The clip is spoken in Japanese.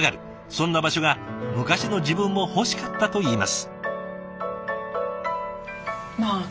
そんな場所が昔の自分も欲しかったといいます。